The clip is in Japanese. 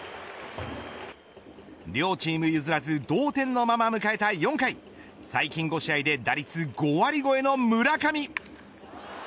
両チーム譲らず同点のまま迎えた４回最近５試合で打率５割超えの村上。